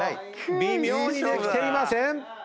微妙にできていません！